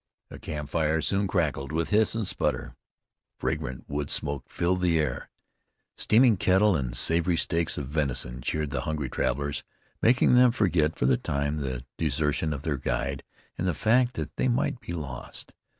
A camp fire soon crackled with hiss and sputter, and fragrant wood smoke filled the air. Steaming kettle, and savory steaks of venison cheered the hungry travelers, making them forget for the time the desertion of their guide and the fact that they might be lost.